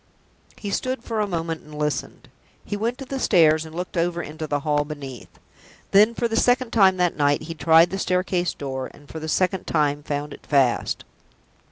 He stood for a moment and listened; he went to the stairs and looked over into the hall beneath. Then, for the second time that night, he tried the staircase door, and for the second time found it fast.